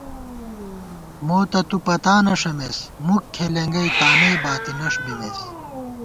مو تہ تُو پتانہ ݭَمېس مُک کھېلېنگَئ تانَئ باتِینَݭ بِمېس